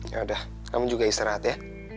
yaudah kamu juga istirahat ya